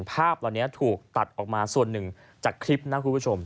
ภาพเหล่านี้ถูกตัดออกมาส่วนหนึ่งจากคลิปนะคุณผู้ชม